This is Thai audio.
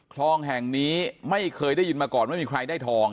คลองแห่งนี้ไม่เคยได้ยินมาก่อนไม่มีใครได้ทอง